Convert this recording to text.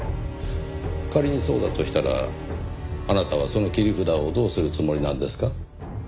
仮にそうだとしたらあなたはその切り札をどうするつもりなんですか？